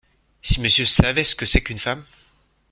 Si Monsieur savait ce que c’est qu’une femme !